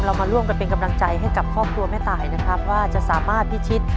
เรามาร่วมกันเป็นกำลังใจให้กับครอบครัวแม่ตายนะครับว่าจะสามารถพิชิต